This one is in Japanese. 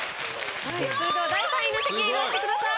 はいそれでは第３位の席へ移動してください。